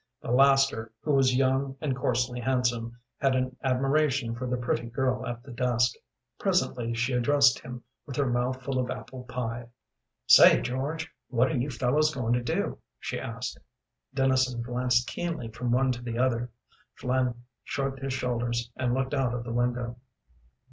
The laster, who was young and coarsely handsome, had an admiration for the pretty girl at the desk. Presently she addressed him, with her mouth full of apple pie. "Say, George, what are you fellows going to do?" she asked. Dennison glanced keenly from one to the other; Flynn shrugged his shoulders and looked out of the window.